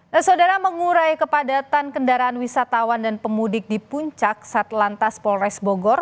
nah saudara mengurai kepadatan kendaraan wisatawan dan pemudik di puncak satlantas polres bogor